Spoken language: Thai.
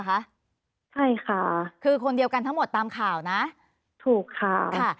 ใช่ค่ะคือคนเดียวกันทั้งหมดตามข่าวนะถูกข่าวค่ะ